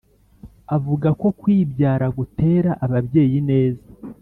avuga ko "kwibyara gutera ababyeyi ineza"